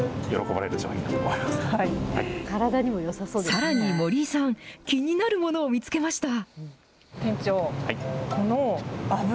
さらに森井さん、気になるものを見つけました。